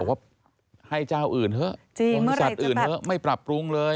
ว่าให้เจ้าอื่นเถอะบริษัทอื่นเถอะไม่ปรับปรุงเลย